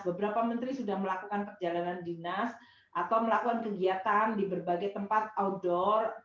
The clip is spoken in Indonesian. beberapa menteri sudah melakukan perjalanan dinas atau melakukan kegiatan di berbagai tempat outdoor